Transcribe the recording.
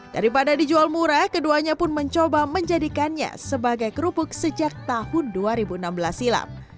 daripada dijual murah keduanya pun mencoba menjadikannya sebagai kerupuk sejak tahun dua ribu enam belas silam